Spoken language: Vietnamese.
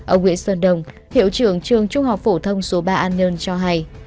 ở nguyễn sơn đông hiệu trưởng trường trung học phổ thông số ba an nhơn cho hay